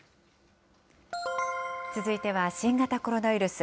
続いては新型コロナウイルス。